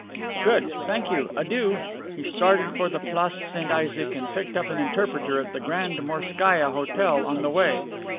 "Good. Thank you. Adieu." He started for the Place St. Isaac, and picked up an interpreter at the Grand Morskaia Hotel on the way.